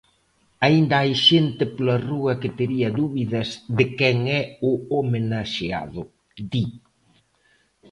"Aínda hai xente pola rúa que tería dúbidas de quen é o homenaxeado", di.